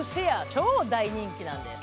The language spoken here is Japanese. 超大人気なんです。